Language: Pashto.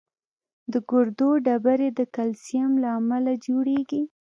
د ګردو ډبرې د کلسیم له امله جوړېږي.